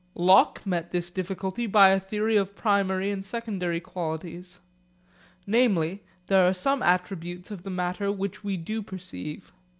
Locke met this difficulty by a theory of primary and secondary qualities. Namely, there are some attributes of the matter which we do perceive.